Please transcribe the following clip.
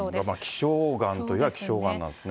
希少がんといえば希少がんなんですね。